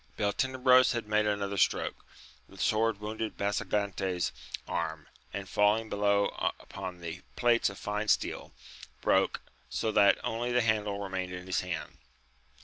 Beltenebros had made another stroke, the sword wounded Basagante's arm, and, falling be low upon the plates of fine steel, broke, so that only the handle remained in his hand.